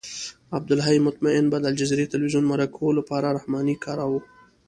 عبدالحی مطمئن به د الجزیرې تلویزیون مرکو لپاره رحماني کاراوه.